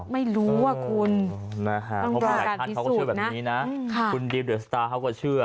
มันก็ไม่รู้ว่าคุณ